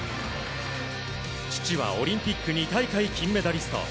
父はオリンピック２大会金メダリスト